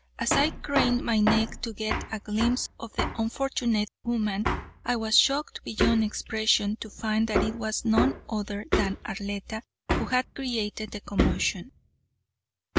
As I craned my neck to get a glimpse of the unfortunate woman, I was shocked beyond expression to find that it was none other than Arletta who had created the commotion.